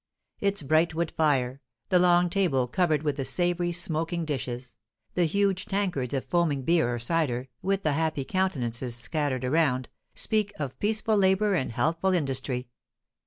Its bright wood fire, the long table covered with the savoury, smoking dishes, the huge tankards of foaming beer or cider, with the happy countenances scattered round, speak of peaceful labour and healthful industry.